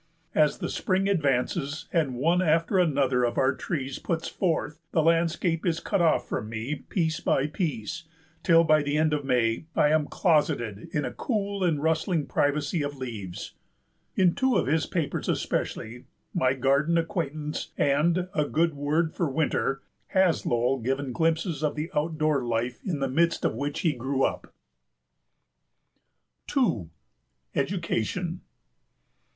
As the spring advances and one after another of our trees puts forth, the landscape is cut off from me piece by piece, till, by the end of May, I am closeted in a cool and rustling privacy of leaves." In two of his papers especially, My Garden Acquaintance and A Good Word for Winter, has Lowell given glimpses of the out door life in the midst of which he grew up. II. EDUCATION.